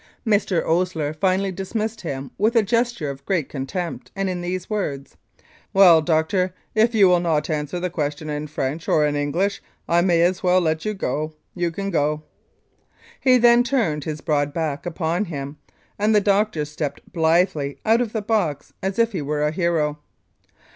Mr. Osier finally dismissed him with a gesture of great contempt and in these words :" Well, doctor, if you will not answer the question in French or in English, I may as well let you go. You can go.'* He then turned his broad back upon him, and the doctor stepped blithely out of the box as if he were a hero.